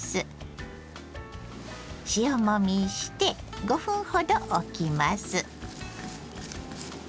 塩もみして５分ほどおきます。